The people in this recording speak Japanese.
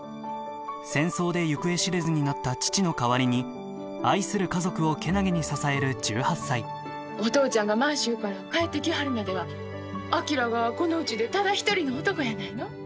戦争で行方知れずになった父の代わりに愛する家族を健気に支える１８歳お父ちゃんが満州から帰ってきはるまでは昭がこのうちでただ一人の男やないの。